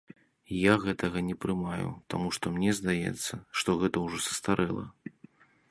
Я гэтага не прымаю, таму што мне здаецца, што гэта ўжо састарэла.